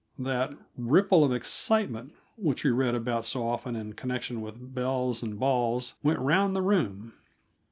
That "ripple of excitement" which we read about so often in connection with belles and balls went round the room.